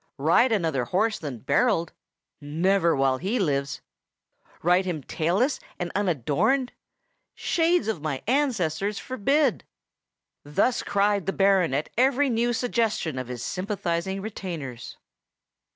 Ride another horse than Berold? Never while he lives! Ride him tailless and unadorned? Shades of my ancestors forbid!" thus cried the Baron at every new suggestion of his sympathizing retainers.